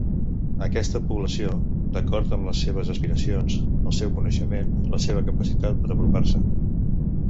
Aquesta població, d'acord amb les seves aspiracions, el seu coneixement, la seva capacitat per apropar-se.